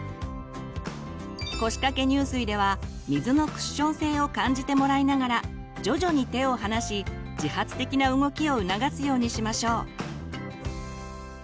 腰掛け入水では水のクッション性を感じてもらいながら徐々に手を離し自発的な動きを促すようにしましょう。